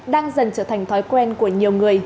đang dần trở thành thói quen của nhiều người